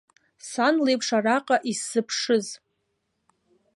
Сан леиԥш араҟа исзыԥшыз.